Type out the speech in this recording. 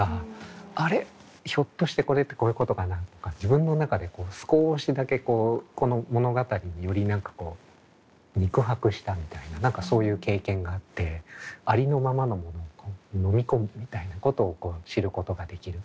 ひょっとしてこれってこういうことかな」とか自分の中で少しだけこの物語により何かこう肉薄したみたいな何かそういう経験があってありのままのものを飲み込むみたいなことを知ることができる。